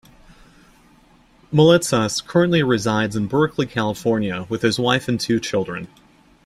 Moulitsas currently resides in Berkeley, California, with his wife and two children.